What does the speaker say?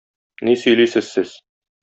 Ни сөйлисез сез?